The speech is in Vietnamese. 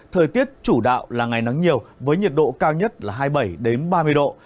thời tiết chủ đạo là ngày nắng nhiều với nhiệt độ cao nhất là hai mươi bảy ba mươi độ